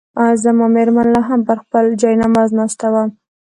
زما مېرمن لا هم پر خپل جاینماز ناست وه.